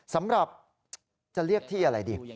สำหรับจะเรียกที่อะไรดี